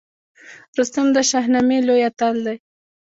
رستم د شاهنامې لوی اتل دی